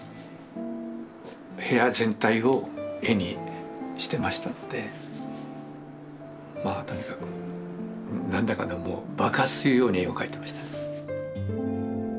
部屋全体を絵にしてましたのでまあとにかく何だかなもう爆発するように絵を描いてましたね。